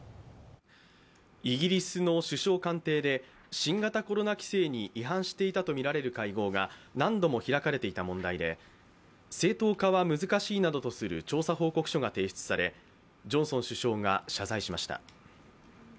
イギリスの首相官邸で新型コロナ規制に違反していたとみられる会合が何度も開かれていた問題で正当化は難しいなどとする調査報告書が提出されジョンソン首相が謝罪しました。